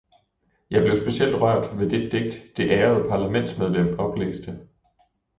Jeg blev specielt rørt ved det digt, det ærede parlamentsmedlem oplæste.